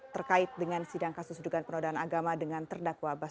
terkait dengan sidang kasus sedukan penodaan agama dengan terdakwa basuki cahaya purnama